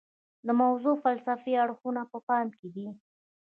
د موضوع فلسفي اړخونه په پام کې دي.